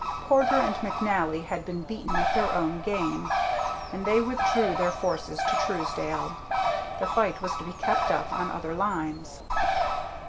Porter and McNally had been beaten at their own game, and they withdrew their forces to Truesdale. The fight was to be kept up on other lines.